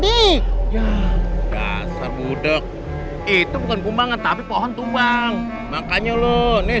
ini ya dasar mudek itu bukan kumbangan tapi pohon tumbang makanya lo nih